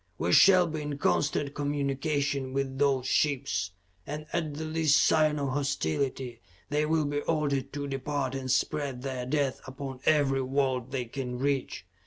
We shall be in constant communication with those ships, and at the least sign of hostility, they will be ordered to depart and spread their death upon every world they can reach.